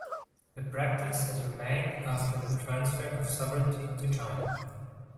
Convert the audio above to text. The practice has remained after the transfer of sovereignty to China.